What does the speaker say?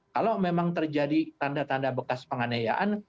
kalau memang terjadi tanda tanda bekas penganiayaan